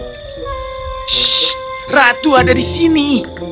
rah ratu ada di sini